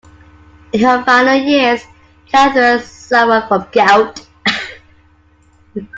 In her final years, Catherine suffered from gout.